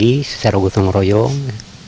ini secara gotong royok